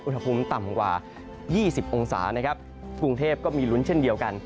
อุณหภูมิต่ำกว่า๒๐องศานะครับกรุงเทพก็มีลุ้นเช่นเดียวกัน